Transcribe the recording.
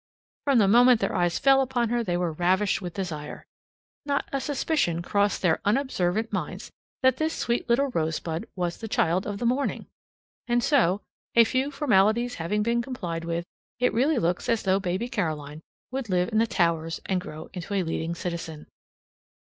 From the moment their eyes fell upon her they were ravished with desire. Not a suspicion crossed their unobservant minds that this sweet little rosebud was the child of the morning. And so, a few formalities having been complied with, it really looks as though baby Caroline would live in the Towers and grow into a leading citizen.